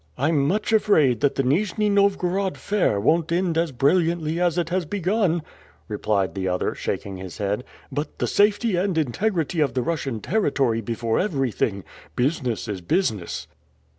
"I'm much afraid that the Nijni Novgorod fair won't end as brilliantly as it has begun," responded the other, shaking his head. "But the safety and integrity of the Russian territory before everything. Business is business."